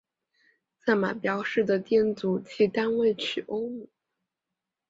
色码标示的电阻其单位取欧姆。